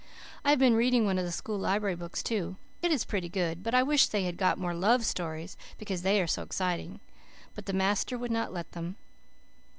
I have been reading one of the school library books too. I is PRETTY GOOD but I wish they had got more LOVE STORIES because they are so exciting. But the master would not let them.